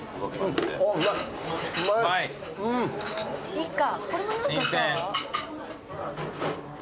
いっか。